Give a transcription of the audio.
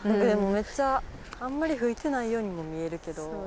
でもめっちゃあんまり吹いてないようにも見えるけど。